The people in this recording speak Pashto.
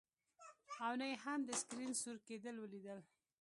او نه یې هم د سکرین سور کیدل ولیدل